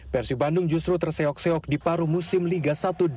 persib bandung justru terseok seok di paru musim liga satu dua ribu dua